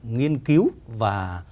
nghiên cứu và